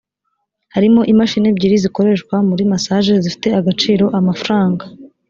harimo imashini ebyiri zikoreshwa muri massage zifite agaciro amafaranga